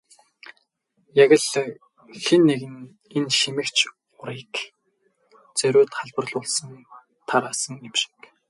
Яг л хэн нэг нь энэ шимэгч урыг зориуд халдварлуулан тараасан юм шиг.